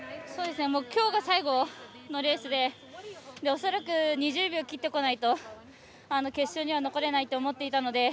きょうが最後のレースで恐らく、２０秒切ってこないと決勝には残れないと思っていたので。